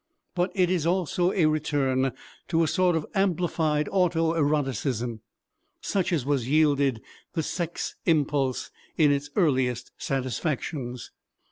But it is also a return to a sort of amplified autoeroticism, such as was yielded the sex impulse in its earliest satisfactions.